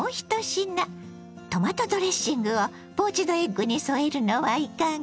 トマトドレッシングをポーチドエッグに添えるのはいかが。